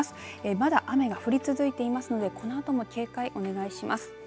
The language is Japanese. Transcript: まだ雨が降り続いていますのでこのあとも警戒お願いします。